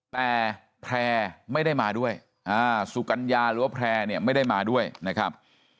แต่แพร่ไม่ได้มาด้วยสุกัญญาหรือว่าแพร่เนี่ยไม่ได้มาด้วยนะครับ